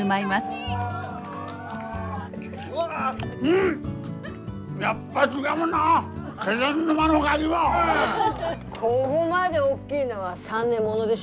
こごまで大きいのは３年ものでしょ？